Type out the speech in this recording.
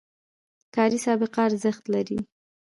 کاري سابقه ارزښت لري